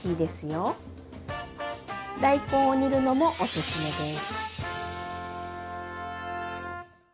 大根を煮るのもおすすめです。